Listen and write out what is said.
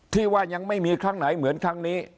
ที่ว่ายังไม่มีครั้งไหนเหมือนครั้งนี้